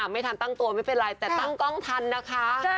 ไม่ทันตั้งตัวไม่เป็นไรแต่ตั้งกล้องทันนะคะ